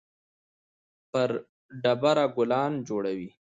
پر ډبره ګلان جوړوي